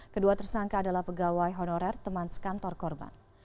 kedua tersangka adalah pegawai honorer teman sekantor korban